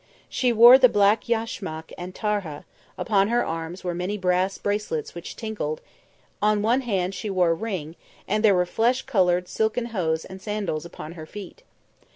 She wore the black yashmak and tarhah; upon her arms were many brass bracelets which tinkled; on one hand she wore a ring and there were flesh coloured silken hose and sandals upon her feet.